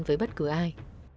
với bất cứ ai